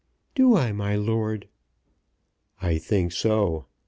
"Do I, my lord?" "I think so.